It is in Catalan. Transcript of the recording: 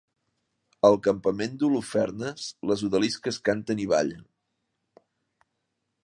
Al campament d'Holofernes, les odalisques canten i ballen.